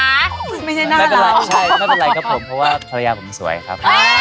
อันนี้ไม่ใช่หน้ารอปอ่อนให้ไงไม่เป็นไรนี่ก็พอว่าภรรยาผมสวยค่ะ